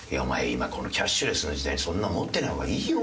今このキャッシュレスの時代にそんな持ってない方がいいよ。